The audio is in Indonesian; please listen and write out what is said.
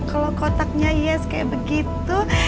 kalau kotaknya yes kayak begitu